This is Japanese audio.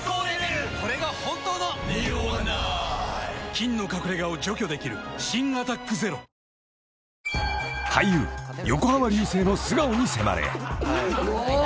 菌の隠れ家を除去できる新「アタックＺＥＲＯ」［俳優横浜流星の素顔に迫る］